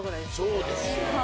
そうですよ。